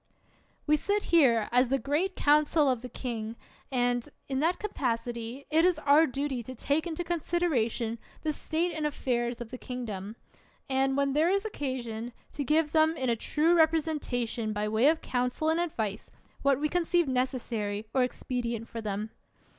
We sit here as the great council of the king, and, in that capacity it is our duty to take into consideration the state and affairs of the king dom; and, where there is occasion, to give them in a true representation by way of council and advice, what we conceive necessary or expedient for them.